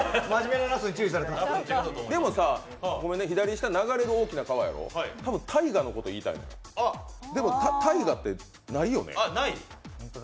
でもさ、左下、流れる大きな川やろ多分、大河のこと言いたい、でも、大河ってないよね？